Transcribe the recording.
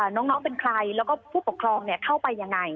น้องเป็นใครแล้วก็ผู้ปกครองเข้าไปยังไง